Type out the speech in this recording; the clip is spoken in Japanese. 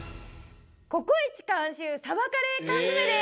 ココイチ監修さばカレー缶詰です。